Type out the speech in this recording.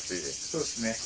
そうですね。